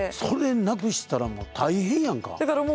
それなくしたら大変やんか！